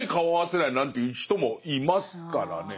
一切顔合わせないなんていう人もいますからね。